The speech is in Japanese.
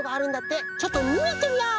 ちょっとみにいってみよう！